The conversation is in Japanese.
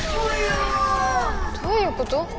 どういうこと？